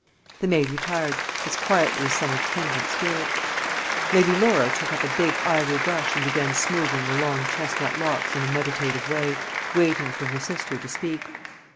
The maid retired, as quietly as some attendant spirit. Lady Laura took up a big ivory brush and began smoothing the long chestnut locks in a meditative way, waiting for her sister to speak.